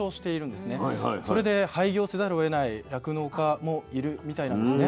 それで廃業せざるをえない酪農家もいるみたいなんですね。